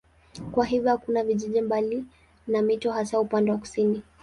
Kwa hiyo hakuna vijiji mbali na mito hasa upande wa kusini.